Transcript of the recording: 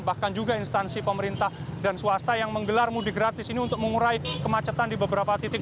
bahkan juga instansi pemerintah dan swasta yang menggelar mudik gratis ini untuk mengurai kemacetan di beberapa titik